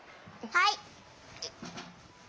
はい！